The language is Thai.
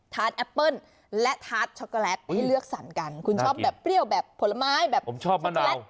แอปเปิ้ลและทาสช็อกโกแลตให้เลือกสรรกันคุณชอบแบบเปรี้ยวแบบผลไม้แบบผมชอบมาก